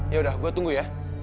yaudah gue tunggu ya